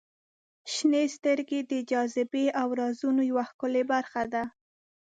• شنې سترګې د جاذبې او رازونو یوه ښکلې برخه ده.